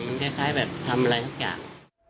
มันคล้ายแบบทำอะไรสักอย่าง